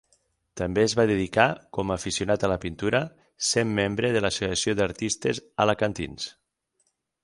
També es va dedicar com aficionat a la pintura, sent membre de l'Associació d'Artistes Alacantins.